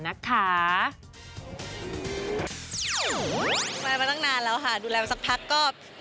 มามาตั้งนานแล้วดูแลมาสักพัฒน์